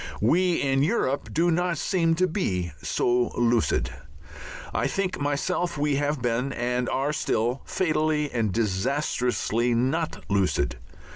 We in Europe do not seem to be so lucid. I think myself we have been, and are still, fatally and disastrously not lucid.